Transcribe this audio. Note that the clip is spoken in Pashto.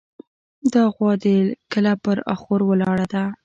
دا غوا دې له کله پر اخور ولاړه ده.